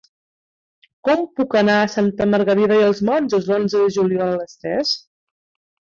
Com puc anar a Santa Margarida i els Monjos l'onze de juliol a les tres?